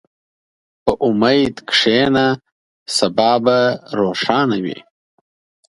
په امید کښېنه، سبا به روښانه وي.